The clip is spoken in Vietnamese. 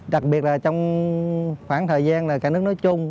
đặc biệt là trong khoảng thời gian là cả nước nói chung